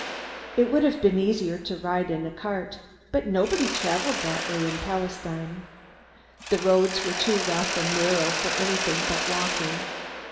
It would have been easier to ride in a cart; but nobody traveled that way in Palestine. The roads were too rough and narrow for anything but walking.